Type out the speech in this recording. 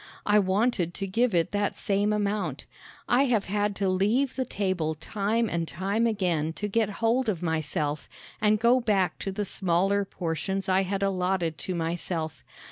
I wanted to give it that same amount. I have had to leave the table time and time again to get hold of myself and go back to the smaller portions I had allotted to myself.